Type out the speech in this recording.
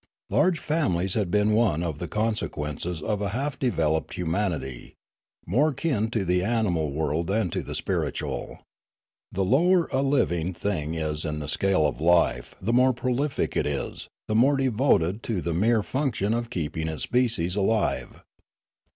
Large families had been one of the consequences of a half developed humanity, more kin to the animal world than to the spiritual. The lower a living thing is in the scale of life the more prolific it is, the more devoted to the mere function of keeping its species alive.